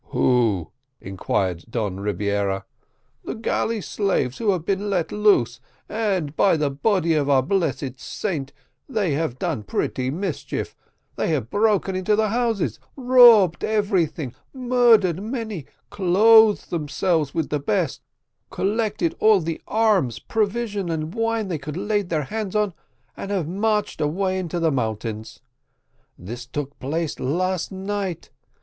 "Who?" inquired Don Rebiera. "The galley slaves who have been let loose and by the body of our blessed saint, they have done pretty mischief they have broken into the houses, robbed everything murdered many clothed themselves with the best collected all the arms, provisions, and wine they could lay their hands on, and have marched away into the mountains. This took place last night.